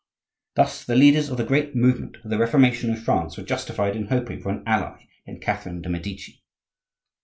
Thus the leaders of the great movement of the Reformation in France were justified in hoping for an ally in Catherine de' Medici.